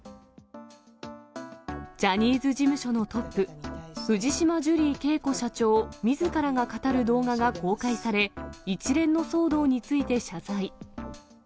ジャニーズ事務所のトップ、藤島ジュリー景子社長みずからが語る動画が公開され、一連の騒動について謝罪。